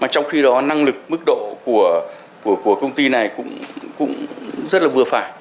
trong khi đó năng lực mức độ của công ty này cũng rất là vừa phải